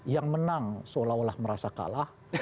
yang menang seolah olah merasa kalah